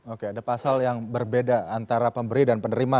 oke ada pasal yang berbeda antara pemberi dan penerima